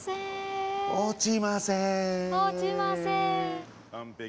落ちません。